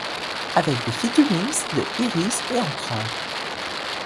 Avec des featurings de Iris et Ancrages.